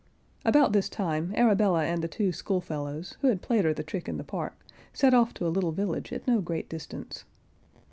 About this time, Arabella and the two schoolfellows, who had played her the trick in the park, set off to a little village at no great distance.